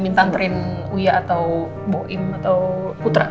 minta anterin uya atau boim atau putra ya